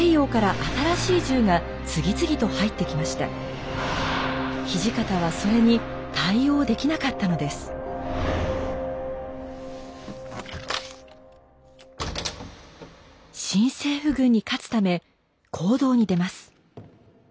新政府軍に勝つため行動に出ます。